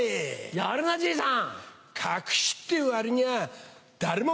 やるなじいさん。